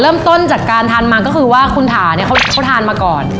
เริ่มต้นจากการทานมาก็คือว่าคุณถาเนี่ยเขาทานมาก่อน